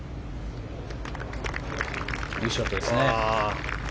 いいショットですね。